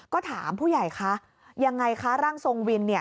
ก็ถามผู้ใหญ่คะยังไงคะร่างทรงวิน